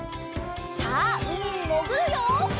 さあうみにもぐるよ！